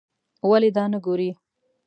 ولې دا نه ګورې.